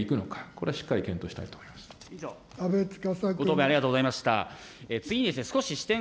これはしっかり検討したいと思い阿部司君。